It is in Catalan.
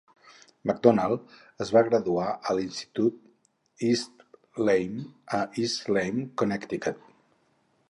McDonald es va graduar a l'Institut East Lyme, a East Lyme (Connecticut).